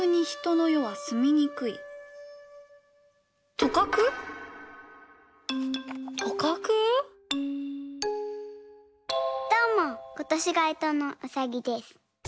どうもことしがえとのうさぎです。